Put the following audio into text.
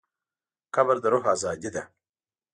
قبر د روح ازادي ده.